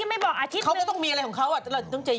อาทิตย์มึงมั๊ยนะพี่นะ